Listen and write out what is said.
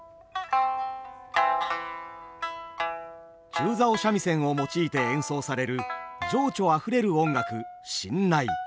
中棹三味線を用いて演奏される情緒あふれる音楽新内。